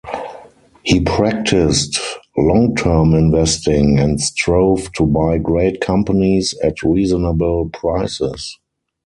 He practiced long-term investing, and strove to buy great companies at reasonable prices.